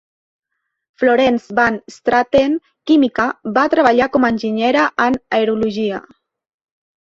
Florence van Straten, química, va treballar com a enginyera en aerologia.